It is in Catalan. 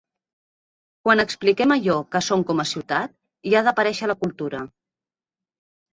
Quan expliquem allò que som com a ciutat, hi ha d’aparèixer la cultura.